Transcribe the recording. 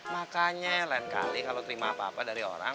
makanya lain kali kalau terima apa apa dari orang